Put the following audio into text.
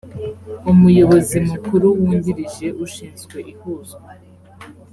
umuyobozi mukuru wungirije ushinzwe ihuzwa